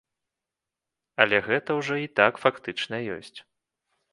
Але гэта ўжо і так фактычна ёсць.